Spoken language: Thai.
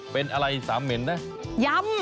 เป็นอะไรสามเหม็นนะย้ำ